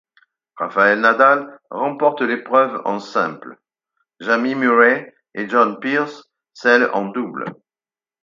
Rafael Nadal remporte l'épreuve en simple, Jamie Murray et John Peers celle en double.